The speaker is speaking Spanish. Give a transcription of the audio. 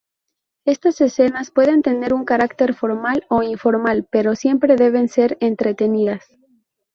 Estas cenas pueden tener un carácter formal o informal, pero siempre deben ser entretenidas.